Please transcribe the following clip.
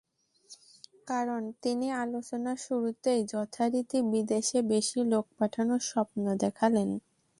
কারণ, তিনি আলোচনার শুরুতেই যথারীতি বিদেশে বেশি লোক পাঠানোর স্বপ্ন দেখালেন।